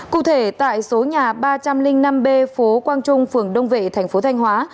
cụ thể tại số nhà ba trăm linh năm b phố quang trung phường đông vệ thành phố thanh hóa